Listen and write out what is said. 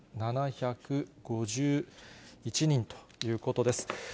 １万１７５１人ということです。